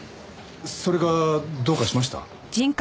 それがどうかしました？